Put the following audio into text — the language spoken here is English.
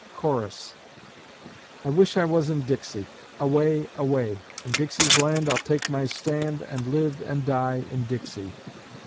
Chorus: I wish I was in Dixie; Away, away; In Dixie's land I'll take my stand, And live and die in Dixie.